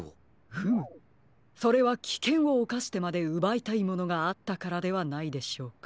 フムそれはきけんをおかしてまでうばいたいものがあったからではないでしょうか。